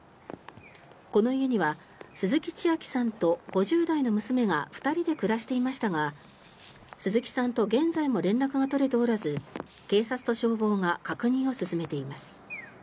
この家には鈴木千秋さんと５０代の娘が２人で暮らしていましたが鈴木さんと現在も連絡が取れておらず警察と消防が確認を進めています。